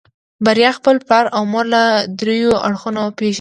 بريا خپل پلار او مور له دريو اړخونو پېژني.